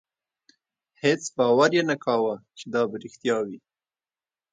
هېڅ باور یې نه کاوه چې دا به رښتیا وي.